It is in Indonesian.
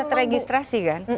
udah teregistrasi kan